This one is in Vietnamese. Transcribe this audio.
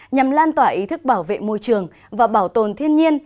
nhằm lan tỏa ý thức bảo vệ môi trường và bảo tồn thiên nhiên